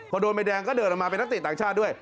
พอโดนใบแดงก็เดินออกมาเป็นนักเตะต่างชาติด้วย